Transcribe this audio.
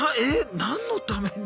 何のために？